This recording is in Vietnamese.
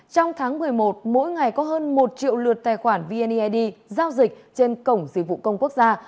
trong tháng một mươi một mỗi ngày có hơn một triệu lượt tài khoản vned giao dịch trên cổng dịch vụ công quốc gia